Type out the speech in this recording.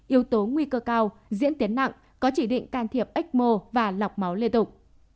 yếu tố nguy cơ cao diễn tiến nặng có chỉ định can thiệp ecmo và lọc máu liên tục